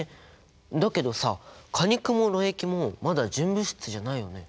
だけどさ果肉もろ液もまだ純物質じゃないよね。